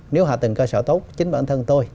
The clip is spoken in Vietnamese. nếu hạ tầng cơ sở tốt chính bản thân tôi